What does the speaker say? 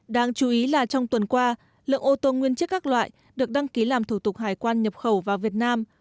đáng chú ý là trong tuần qua lượng ô tô nguyên chiếc các loại được đăng ký làm thủ tục hải quan nhập khẩu vào việt nam